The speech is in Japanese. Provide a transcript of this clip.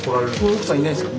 奥さんいないですよ